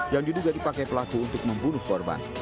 yang diduga dipakai pelaku untuk membunuh korban